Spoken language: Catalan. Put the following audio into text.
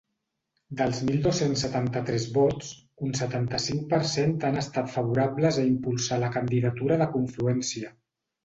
Dels mil dos-cents setanta-tres vots, un setanta-cinc per cent han estat favorables a impulsar la candidatura de confluència.